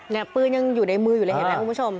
ปืนยังอยู่ในมืออยู่เลยเห็นไหมคุณผู้ชม